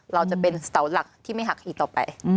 เราจะเป็นเสาหลักที่ไม่หักอีกต่อไป